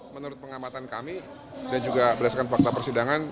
menurut pengamatan kami dan juga berdasarkan fakta persidangan